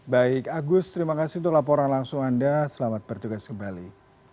baik agus terima kasih untuk laporan langsung anda selamat bertugas kembali